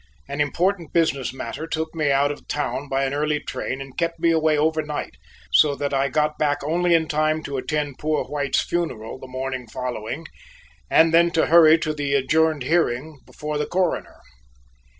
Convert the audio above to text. An important business matter took me out of town by an early train and kept me away over night so that I got back only in time to attend poor White's funeral the morning following, and then to hurry to the adjourned hearing before the Coroner.